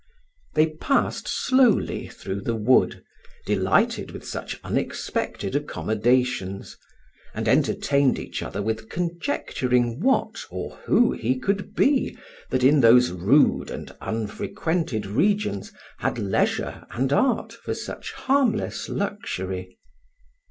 They passed slowly through the wood, delighted with such unexpected accommodations, and entertained each other with conjecturing what or who he could be that in those rude and unfrequented regions had leisure and art for such harmless luxury.